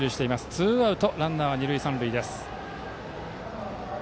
ツーアウトランナーは二塁三塁です。